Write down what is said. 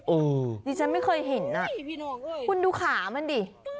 อือที่ฉันไม่เคยเห็นนะคุณดูขามันดิ